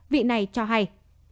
vị này cho hay